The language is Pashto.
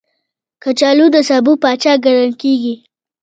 کچالو د سبو پاچا ګڼل کېږي